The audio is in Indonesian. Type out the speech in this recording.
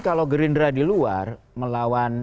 kalau gerindra di luar melawan